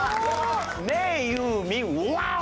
「ねえユーミンワオ！